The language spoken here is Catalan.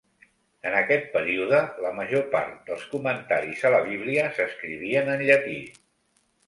En aquest període, la major part dels comentaris a la Bíblia s'escrivien en llatí.